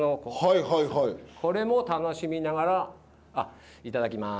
これも楽しみながらいただきます！